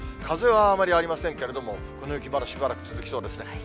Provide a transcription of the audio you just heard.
風はあまりありませんけれども、この雪、まだしばらく続きそうですね。